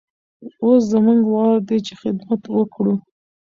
اوس زموږ وار دی چې خدمت وکړو.